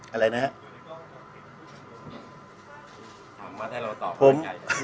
อะไรนะครับ